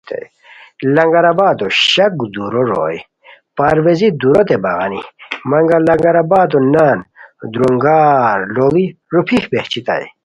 لنگرآبادو شک دُورو روئے پرویزی دُوروت بغانی مگم لنگر آبادو نان درونگار لوڑی روپھی بہچیتائے